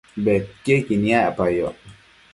bedquiequi niacpayoc